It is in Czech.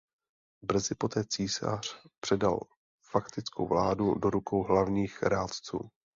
Brzy poté císař předal faktickou vládu do rukou hlavních rádců.